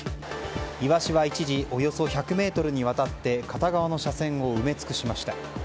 イワシは一時およそ１００ｍにわたって片側の車線を埋め尽くしました。